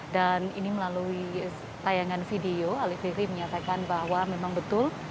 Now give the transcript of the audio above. dan ini melalui tayangan video ali fikri menyatakan bahwa memang betul